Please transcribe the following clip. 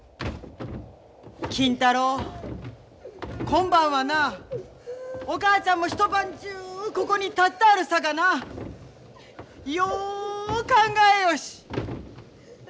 金太郎今晩はなお母ちゃんも一晩中ここに立ったあるさかなよう考えよし。